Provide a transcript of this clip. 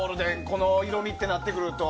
この色みってなってくると。